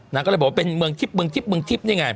นางก็เลยบอกว่าเป็นเมืองทิพย์นี่ไง